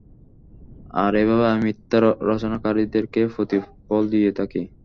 আর এভাবে আমি মিথ্যা রচনাকারীদেরকে প্রতিফল দিয়ে থাকি।